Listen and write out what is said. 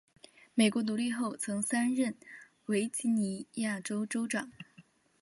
美国独立后曾三任维吉尼亚州州长。